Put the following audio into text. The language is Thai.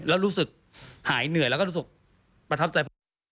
แล้วรู้สึกหายเหนื่อยแล้วก็รู้สึกประทับใจผม